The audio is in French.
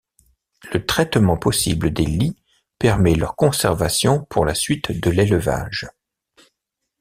Le traitement possible des lies permet leur conservation pour la suite de l'élevage.